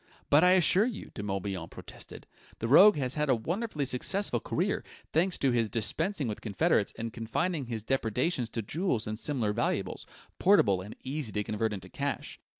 "But I assure you!" De Morbihan protested. "The rogue has had a wonderfully successful career, thanks to his dispensing with confederates and confining his depredations to jewels and similar valuables, portable and easy to convert into cash.